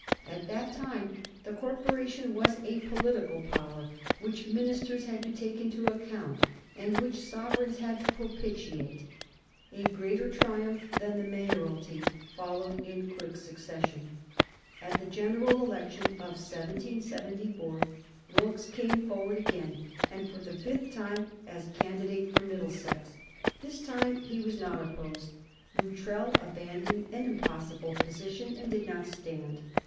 At that time the Corporation was a political power, which ministers had to take into account, and which sovereigns had to propitiate. A greater triumph than the mayoralty followed in quick succession. At the general election of 1774 Wilkes came forward again, and for the fifth time, as candidate for Middlesex. This time he was not opposed. Luttrell abandoned an impossible position and did not stand.